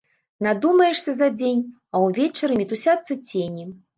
Надумаешся за дзень, а ўвечары мітусяцца цені.